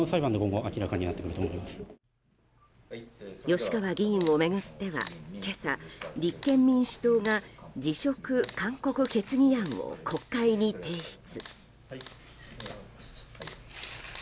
吉川議員を巡っては今朝、立憲民主党が辞職勧告決議案を国会に提出。